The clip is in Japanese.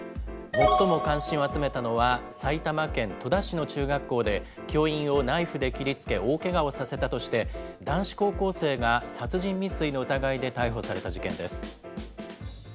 最も関心を集めたのは、埼玉県戸田市の中学校で教員をナイフで切りつけ、大けがをさせたとして、男子高校生が殺人未遂の疑いで逮捕された事件です。